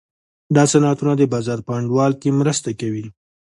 دا صنعتونه د بازار په انډول کې مرسته کوي.